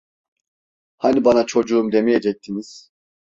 Hani bana çocuğum demeyecektiniz?